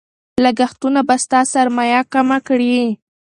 لګښتونه به ستا سرمایه کمه کړي.